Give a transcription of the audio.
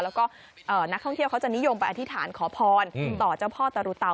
แล้วก็นักท่องเที่ยวเขาจะนิยมไปอธิษฐานขอพรต่อเจ้าพ่อตรุเตา